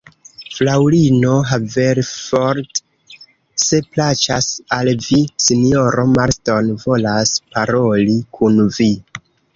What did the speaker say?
Fraŭlino Haverford, se plaĉas al vi, sinjoro Marston volas paroli kun vi.